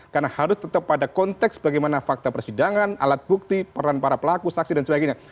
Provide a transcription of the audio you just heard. karena harus tetap pada konteks bagaimana fakta persidangan alat bukti peran para pelaku saksi dan sebagainya